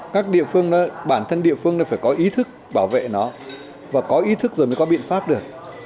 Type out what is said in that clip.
các địa phương bản thân địa phương phải có ý thức bảo vệ nó và có ý thức rồi mới có biện pháp được